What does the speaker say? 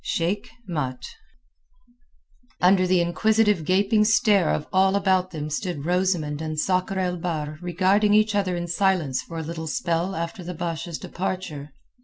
SHEIK MAT Under the inquisitive gaping stare of all about them stood Rosamund and Sakr el Bahr regarding each other in silence for a little spell after the Basha's departure.